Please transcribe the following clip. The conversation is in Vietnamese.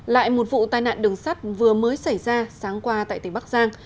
lại một vụ tai nạn đường sắt vừa mới xảy ra sáng qua tại tỉnh bắc giang